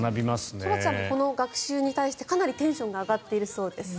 ソラちゃんもこの学習に対してかなりテンションが上がっているようです。